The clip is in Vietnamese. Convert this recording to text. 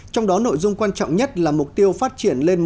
trong đó nội dung quan trọng nhất là mục tiêu phát triển lên